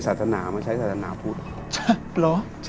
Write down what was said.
ศาสนามาใช้ศาสนาพุทธ